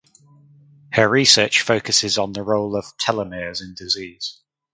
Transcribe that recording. Her research focuses on the role of telomeres in disease.